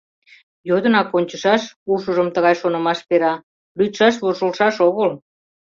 «Йодынак ончышаш, — ушыжым тыгай шонымаш пера, — лӱдшаш-вожылшаш огыл».